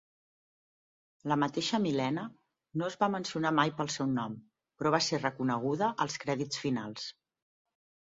La mateixa Mileena no es va mencionar mai pel seu nom, però va ser reconeguda als crèdits finals.